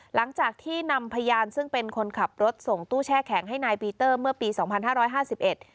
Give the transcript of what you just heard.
หลังจากที่นำพยานซึ่งเป็นคนขับรถส่งตู้แช่แข็งให้นายปีเตอร์เมื่อปีสองพันห้าร้อยห้าสิบเอ็ด